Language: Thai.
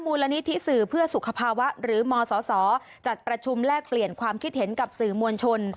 มูลนิธิสื่อเพื่อสุขภาวะหรือมศจัดประชุมแลกเปลี่ยนความคิดเห็นกับสื่อมวลชน